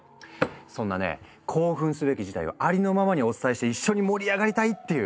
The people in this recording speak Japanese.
そんなね興奮すべき事態をありのままにお伝えして一緒に盛り上がりたいっていう。